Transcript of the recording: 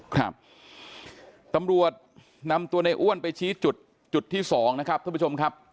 ครับตำรวจนำตัวในอ้วนไปชี้จุดจุดที่สองนะครับท่านผู้ชมครับ